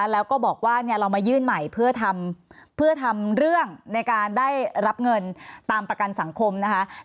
แล้วก็บอกว่าเรามายื่นใหม่เพื่อทำเรื่องในการได้รับเงินตามประกันสังคมนะคะ